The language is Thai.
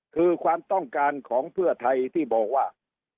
คือความต้องการของเพื่อไทยที่บอกว่า